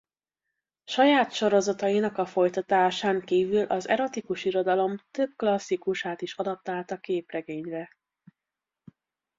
Saját sorozatainak a folytatásán kívül az erotikus irodalom több klasszikusát is adaptálta képregényre.